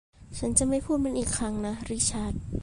ฉันจะไม่พูดมันอีกครั้งนะริชาร์ด